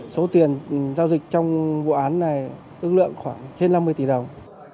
số tiền giao dịch trong vụ án này ước lượng khoảng trên năm mươi tỷ đồng